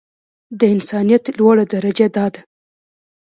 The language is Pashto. د انسانيت لوړه درجه دا ده.